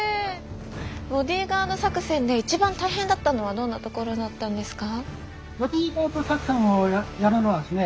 ボディーガード作戦で一番大変だったのはどんなところだったんですか？